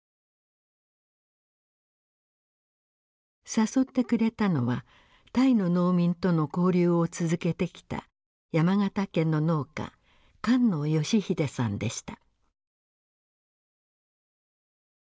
誘ってくれたのはタイの農民との交流を続けてきた山形県の農家菅野芳秀さんでした。